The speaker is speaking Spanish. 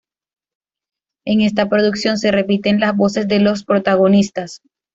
En esta producción se repiten las voces de los protagonistas.